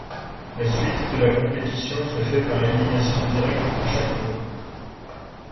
La suite de la compétition se fait par élimination directe à chaque tour.